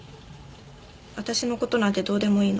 私の事なんてどうでもいいの。